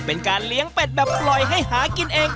เป็นการเลี้ยงเป็ดแบบปล่อยให้หากินเอง